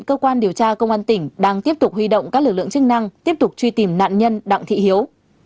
cơ quan điều tra công an tỉnh đang tiếp tục huy động các lực lượng chức năng tiếp tục truy tìm nạn nhân đặng thị hiếu